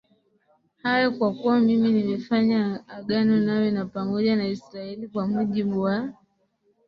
haya kwa kuwa mimi nimefanya agano nawe na pamoja na Israeli kwa mujibu wa